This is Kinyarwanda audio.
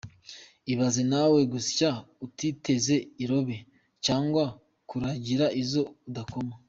Ibaze nawe gusya utiteze irobe cyangwa kuragira izo udakama!